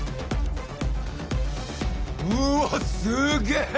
うわすげえ！